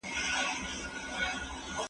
زه به اوږده موده مړۍ پخه کړې وم؟